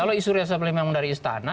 kalau isu resapel ini dari istana